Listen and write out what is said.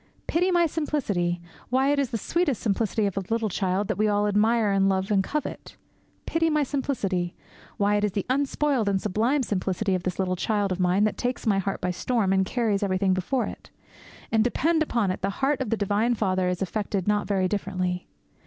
Pity my simplicity! Why, it is the sweet simplicity of a little child that we all admire and love and covet! Pity my simplicity! Why, it is the unspoiled and sublime simplicity of this little child of mine that takes my heart by storm and carries everything before it. And, depend upon it, the heart of the divine Father is affected not very differently.